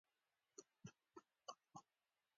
لیکونه پارلمان ته رسېدلي دي.